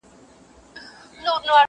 په دربار کي یې څو غټ سړي ساتلي؛